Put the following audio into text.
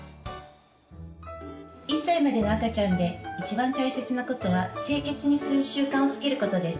１歳までの赤ちゃんでいちばん大切なことは清潔にする習慣をつけることです。